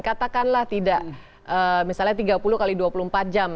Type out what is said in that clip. katakanlah tidak misalnya tiga puluh x dua puluh empat jam